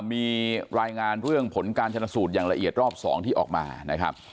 มีรายงานเรื่องผลการชนสูตรอย่างละเอียดรอบ๒ที่ออกมานะครับ